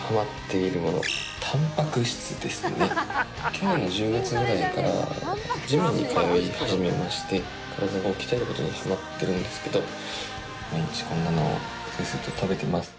去年の１０月ぐらいからジムに通い始めまして体を鍛えることにハマってるんですけど毎日こんなのをせっせと食べてます。